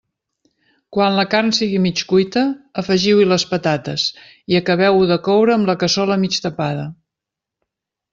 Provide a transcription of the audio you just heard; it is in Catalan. Quan la carn sigui mig cuita, afegiu-hi les patates i acabeu-ho de coure amb la cassola mig tapada.